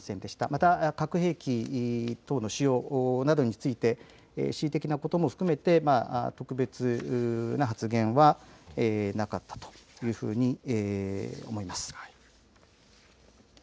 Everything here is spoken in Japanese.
また核兵器等の使用などについて恣意的なことも含めて特別の発言はなかったというふうに思います。